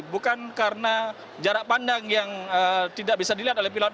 bukan karena jarak pandang yang tidak bisa dilihat oleh pilot